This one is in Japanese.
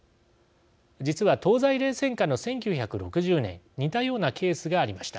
実は、東西冷戦下の１９６０年似たようなケースがありました。